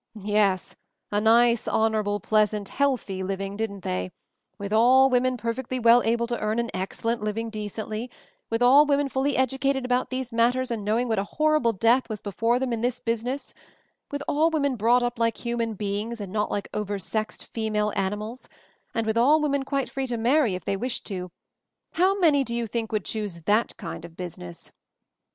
"Yes, a nice, honorable, pleasant, healthy living, didn't they? With all women per fectly well able to earn an excellent living decently; with all women fully educated MOVING THE MOUNTAIN 111 about these matters and knowing what a horrible death was before them in this busi ness ; with all women brought up like human beings and not like over sexed female ani mals, and with all women quite free to marry if they wished to — how many, do you think, would choose that kind of business